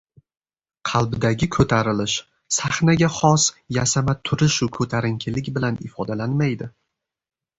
Qalbdagi koʻtarilish sahnaga xos yasama turishu koʻtarinkilik bilan ifodalanmaydi.